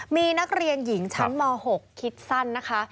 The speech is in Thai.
มีนักเรียนหญิงชั้นม๖คิดสั้นนะคะ